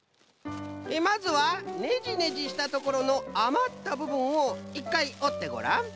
まずはねじねじしたところのあまったぶぶんをいっかいおってごらん。